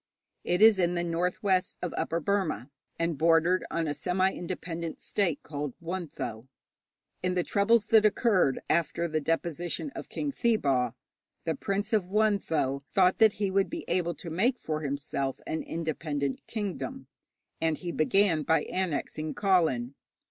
It is in the north west of Upper Burma, and bordered on a semi independent state called Wuntho. In the troubles that occurred after the deposition of King Thibaw, the Prince of Wuntho thought that he would be able to make for himself an independent kingdom, and he began by annexing Kawlin.